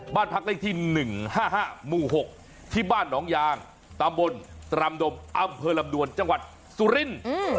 บ้านพักเลขที่๑๕๕หมู่๖ที่บ้านหนองยางตำบลตรำดมอำเภอลำดวนจังหวัดสุรินทร์